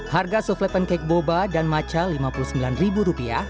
harga softle pancake boba dan maca rp lima puluh sembilan